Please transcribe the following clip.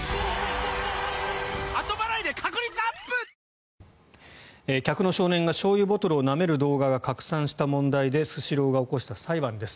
東京海上日動客の少年がしょうゆボトルをなめる動画が拡散した問題でスシローが起こした裁判です。